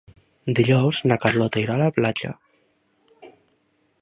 Dijous na Carlota irà a la platja.